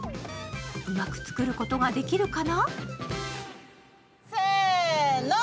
うまく作ることができるかな？